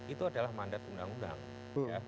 itu adalah mandat undang undang